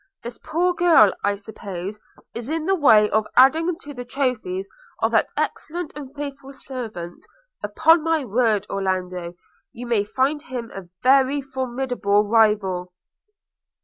This poor girl, I suppose, is in the way of adding to the trophies of that excellent and faithful servant. Upon my word, Orlando, you may find him a very formidable rival.'